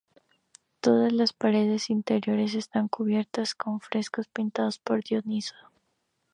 Todas las paredes interiores están cubiertas con frescos pintados por Dionisio.